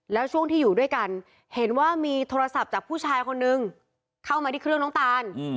แล้วช่วงที่อยู่ด้วยกันเห็นว่ามีโทรศัพท์จากผู้ชายคนนึงเข้ามาที่เครื่องน้องตาน